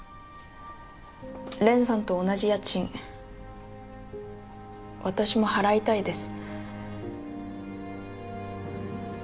蓮さんと同じ家賃私も払いたいです。